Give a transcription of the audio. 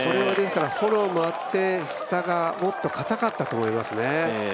フォローもあって、下がもっと硬かったと思いますね。